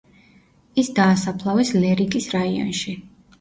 ის დაასაფლავეს ლერიკის რაიონში.